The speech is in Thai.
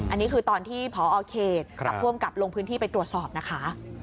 อันนี้คือตอนที่พอเขตกับผู้อำกับลงพื้นที่ไปตรวจสอบนะคะ